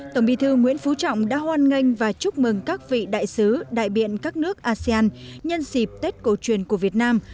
tổng bí thư nguyễn phú trọng đã hoan nghênh và chúc mừng các vị đại sứ đại biện các nước asean nhân dịp tết cổ truyền của việt nam